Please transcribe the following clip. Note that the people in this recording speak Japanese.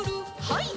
はい。